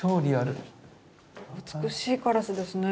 美しいカラスですね。